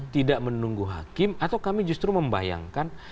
tidak menunggu hakim atau kami justru membayangkan